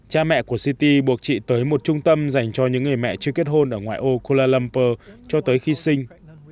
cha mẹ của city buộc chị tới một trung tâm dành cho những người mẹ chưa kết hôn ở ngoại ô kuala lumpur cho tới khi sinh